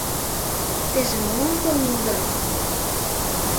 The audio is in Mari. Теже молан толын улыда?